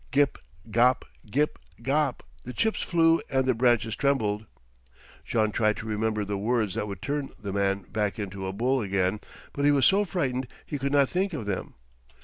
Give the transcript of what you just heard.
Gip, gop! Gip, gop! The chips flew and the branches trembled. Jean tried to remember the words that would turn the man back into a bull again, but he was so frightened he could not think of them.